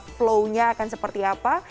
flownya akan seperti apa